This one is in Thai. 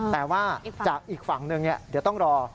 แต่ว่าจากอีกฝั่งหนึ่งเดี๋ยวต้องรอ